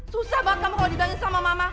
susah banget kamu kalau ditanya sama mama